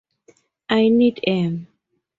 I need 'em.